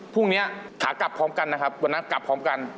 ขากลับพร้อมกันนะครับวันนั้นกลับพร้อมกัน